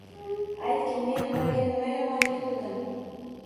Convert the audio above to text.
Aytgin men ularga nima yomonlik qildim?